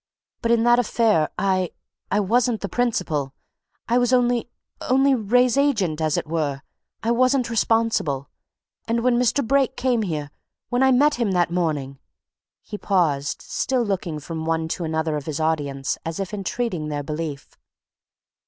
"But in that affair I I wasn't the principal. I was only only Wraye's agent, as it were: I wasn't responsible. And when Mr. Brake came here, when I met him that morning " He paused, still looking from one to another of his audience as if entreating their belief.